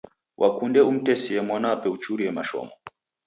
Wakunde umtesie mwanape uchurie mashomo.